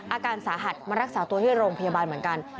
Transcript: อาการสาหัสมารักษาตัวที่โรงพยาบาลเหมือนกัน